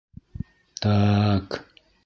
Та-ак...